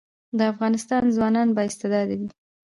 د افغانستان ځوانان با استعداده دي